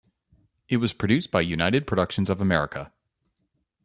It was produced by United Productions of America.